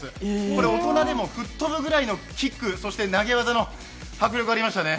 これ、大人でも吹っ飛ぶくらいのキック、投げ技の迫力がありましたね。